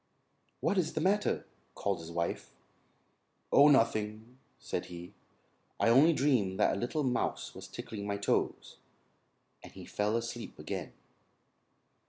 "What is the matter?" called his wife. "Oh, nothing," said he; "I only dreamed that a little mouse was tickling my toes;" and he fell asleep again.